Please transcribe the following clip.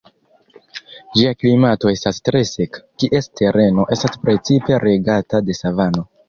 Ĝia klimato estas tre seka, kies tereno estas precipe regata de savano.